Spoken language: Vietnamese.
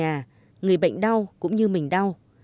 và người bệnh đau cũng như mình đau